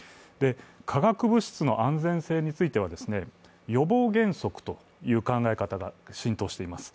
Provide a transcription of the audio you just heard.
化学物質の安全性については、予防原則という考え方が浸透しています。